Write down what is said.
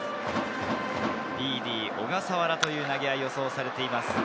ビーディ、小笠原という投げ合いが予想されています。